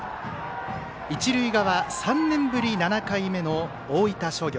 一塁側、３年ぶり７回目の大分商業。